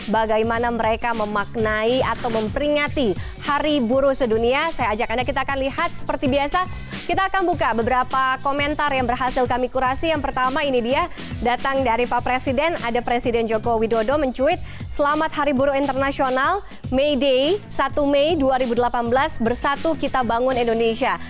bagaimana mereka memaknai atau memperingati hari buruh sedunia saya ajak anda kita akan lihat seperti biasa kita akan buka beberapa komentar yang berhasil kami kurasi yang pertama ini dia datang dari pak presiden ada presiden joko widodo mencuit selamat hari buruh internasional may day satu may dua ribu delapan belas bersatu kita bangun indonesia